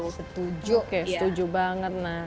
setuju setuju banget